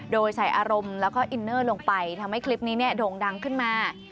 โดยใส่อารมณ์แล้วก็อินเนอร์ลงไปทำให้คลิปนี้โด่งดังขึ้นมา